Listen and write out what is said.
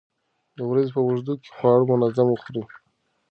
د ورځې په اوږدو کې خواړه منظم وخورئ.